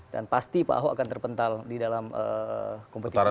dan pasti pak ahok akan terpental di dalam kompetisi ini